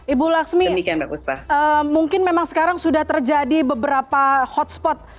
ibu laksmi mungkin memang sekarang sudah terjadi beberapa hotspot